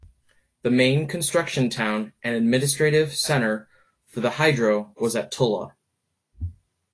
The main construction town and administrative centre for the Hydro was at Tullah.